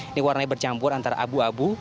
ini warnanya bercampur antara abu abu